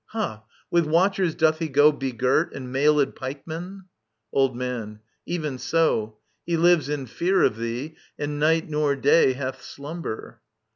Ha ! With watchers doth he go Begirt) and mailed pikemen ? Old Man. Even so : He lives in fear of thee, and night nor day Hath slumber.